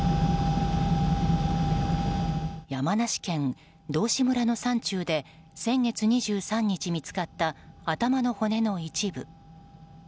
山梨県道志村の山中で先月２３日見つかった頭の骨の一部。